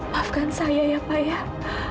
maafkan saya ya pak